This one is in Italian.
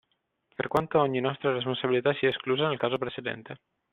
Per quanto ogni nostra responsabilità sia esclusa nel caso presente.